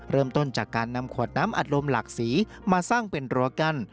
เริ่มต้นจากการนำขวดน้ำอัดลมหลากสีมาสร้างเป็นรั้วกั้น